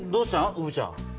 うぶちゃん。